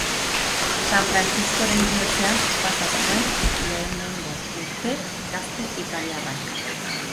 San Frantziskoren bihotzean pasa zuen lehengo urtea gazte italiarrak.